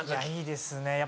いいですね